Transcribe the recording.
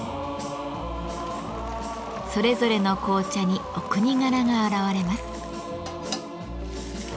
それぞれの紅茶にお国柄が表れます。